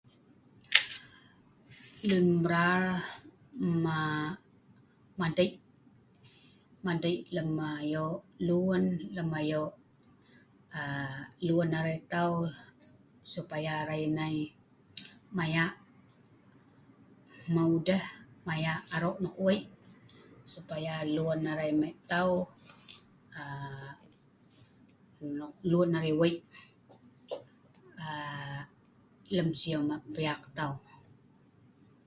lun mbral aa madei', madei lem ayo' lun, lem ayo' aa lun arai tau, supaya arai nai maya hmeu deh maya arok nok wei' supaya lun arai lem tau aa lun arai wei aa lem siu ma piak tau